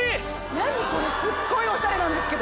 何これすっごいおしゃれなんですけど。